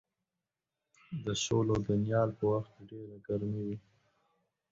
د شولو د نیال په وخت کې ډېره ګرمي وي.